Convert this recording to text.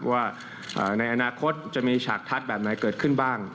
ว่าในอนาคตจะมีฉากทัศน์แบบไหนเกิดขึ้นบ้าง